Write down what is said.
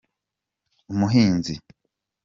umuhinzi.